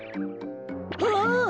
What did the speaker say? ああ！